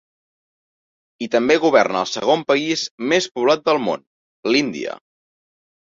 I també governa el segon país més poblat del món, l’Índia.